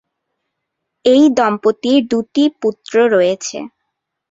এই দম্পতির দুটি পুত্র রয়েছে।